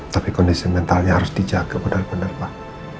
tapi kondisi mentalnya harus dijaga benar benar pak